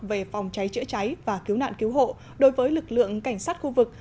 về phòng cháy chữa cháy và cứu nạn cứu hộ đối với lực lượng cảnh sát khu vực